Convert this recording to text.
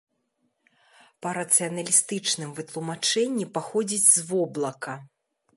Па рацыяналістычным вытлумачэнні, паходзіць з воблака.